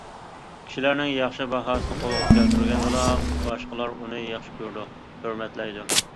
كىشىلەرنىڭ ياخشى باھاسىنى قولغا كەلتۈرگەندىلا باشقىلار ئۇنى ياخشى كۆرىدۇ، ھۆرمەتلەيدۇ.